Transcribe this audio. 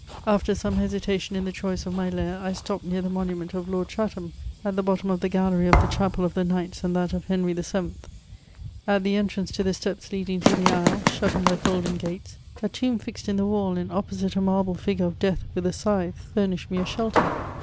After some hesitation in tiie choice of my lair, I stopped near the monument of Lord Chatham, at the bottom of the gallery of the chapel oi tiie knights and that of Henry VIL At the entrance to the st^ leading to the aisles, shut in by folding gates, a tomb fixed in the wall and opposite a marble figure ot death witii a scathe, fnzniahed me a belter.